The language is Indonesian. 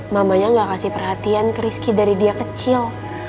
mamanya gak kasih perhatian ke rizky dari dia kecil